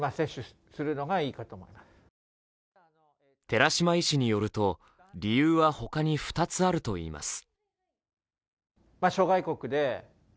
寺嶋医師によると、理由は他に２つあるといいます。